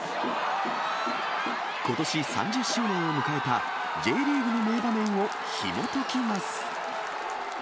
ことし３０周年を迎えたＪリーグの名場面をひもときます。